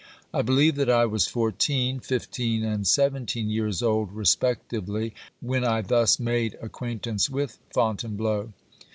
I believe that I was fourteen, fifteen and seventeen years old respectively when I thus made acquaintance with Fontainebleau.